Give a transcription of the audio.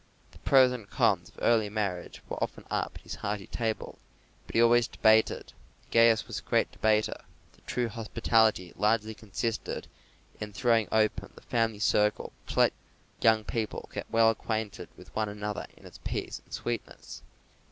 The pros and cons of early marriage were often up at his hearty table, but he always debated, and Gaius was a great debater, that true hospitality largely consisted in throwing open the family circle to let young people get well acquainted with one another in its peace and sweetness.